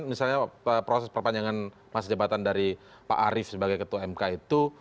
misalnya proses perpanjangan masa jabatan dari pak arief sebagai ketua mk itu